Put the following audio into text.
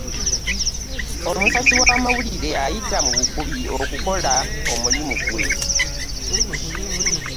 Omusasi w'amawulire ayita mu bugubi okukola omulimu gwe.